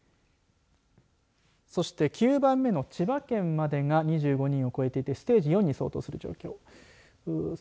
そして９番目の千葉県までが２５人を超えていてステージ４に相当する状況です。